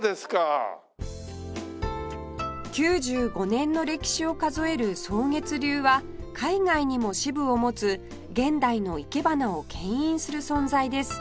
９５年の歴史を数える草月流は海外にも支部を持つ現代のいけばなを牽引する存在です